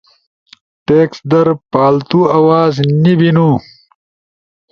ٹیکسٹ در پالتو آواز نے بین